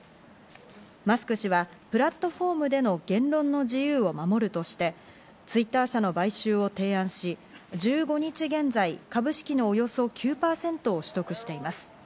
マスク氏はプラットフォームでの言論の自由を守るとして、Ｔｗｉｔｔｅｒ社の買収を提案し、１５日現在、株式のおよそ９％を取得しています。